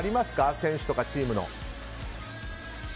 選手とかチームの。